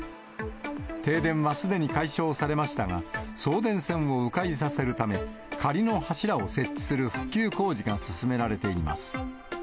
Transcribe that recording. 停電はすでに解消されましたが、送電線をう回させるため、仮の柱を設置する復旧工事が進められています。